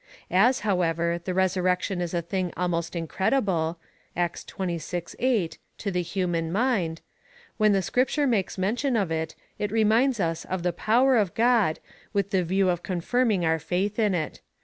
As, hoAvever, the resurrection is a thing almost incredible (Acts xxvi. 8) to the human mind, when the Scripture makes mention of it, it reminds us of the power of God, with the view of confirm ing our faith in it.